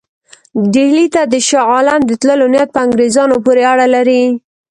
ډهلي ته د شاه عالم د تللو نیت په انګرېزانو پورې اړه لري.